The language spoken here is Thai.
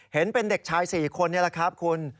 เห็นเป็นเด็กชาย๔คนนี่แหละครับคุณ